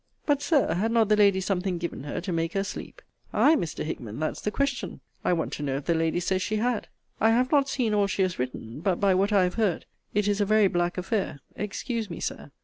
But, Sir, had not the lady something given her to make her sleep? Ay, Mr. Hickman, that's the question: I want to know if the lady says she had? I have not seen all she has written; but, by what I have heard, it is a very black affair Excuse me, Sir.